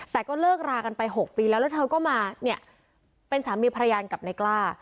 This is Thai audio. แต่ก็เลิกรากันไป๖ปีแล้วแล้วเธอก็มาเนี่ยเป็นสามีภรรยากับนายกล้า